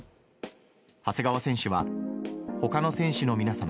長谷川選手は、他の選手の皆さん